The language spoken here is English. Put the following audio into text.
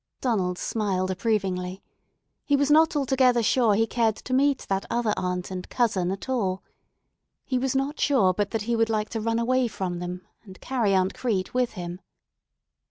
Donald smiled approvingly. He was not altogether sure he cared to meet that other aunt and cousin at all. He was not sure but he would like to run away from them, and carry Aunt Crete with him.